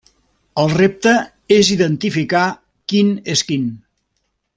El repte és identificar quin és quin.